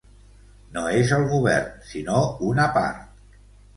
No és el govern, sinó una part